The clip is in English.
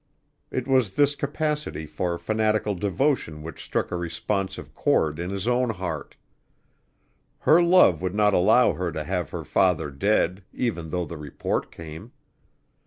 It was this capacity for fanatical devotion which struck a responsive chord in his own heart. Her love would not allow her to have her father dead even though the report came.